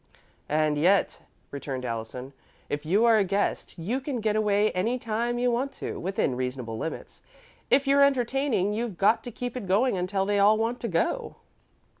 "And yet," returned Allison, "if you are a guest, you can get away any time you want to, within reasonable limits. If you're entertaining, you've got to keep it going until they all want to go."